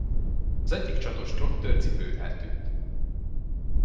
Az egyik csatos trottőrcipő eltűnt.